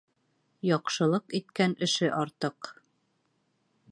- Яҡшылыҡ иткән эше артыҡ.